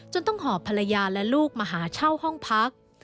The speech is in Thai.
ต้องหอบภรรยาและลูกมาหาเช่าห้องพัก